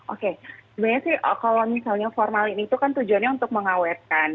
oke sebenarnya sih kalau misalnya formalin itu kan tujuannya untuk mengawetkan